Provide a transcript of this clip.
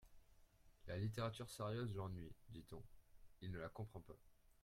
La littérature sérieuse l’ennuie, dit-on ; il ne la comprend pas.